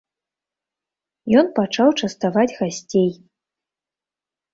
Ён пачаў частаваць гасцей.